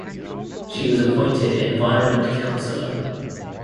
She was appointed environment counselor.